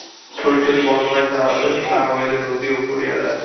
স্রোত যদি বন্ধ হয়, তাহা হইলে নদীও মরিয়া যায়।